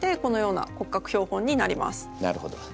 なるほど。